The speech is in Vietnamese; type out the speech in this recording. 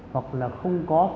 hoặc là không có